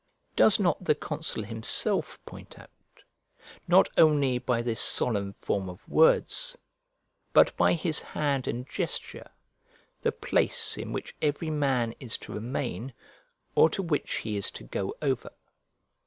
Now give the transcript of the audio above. Does not the consul himself point out, not only by this solemn form of words, but by his hand and gesture, the place in which every man is to remain, or to which he is to go over?